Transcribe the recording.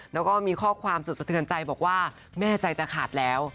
และหาค่อความสุดสะเตือนใจว่าแม่ใจจะขาดแล้ว